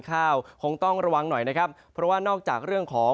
คงต้องระวังหน่อยนะครับเพราะว่านอกจากเรื่องของ